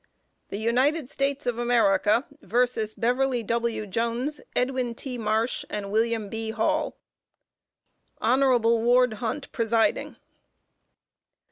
THE UNITED STATES OF AMERICA. vs. BEVERLY W. JONES, EDWIN T. MARSH, AND WILLIAM B. HALL. HON. WARD HUNT, Presiding.